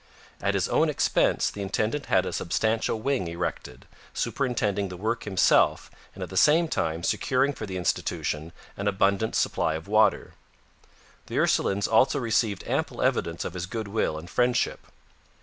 At his own expense the intendant had a substantial wing erected, superintending the work himself and at the same time securing for the institution an abundant supply of water. The Ursulines also received ample evidence of his goodwill and friendship.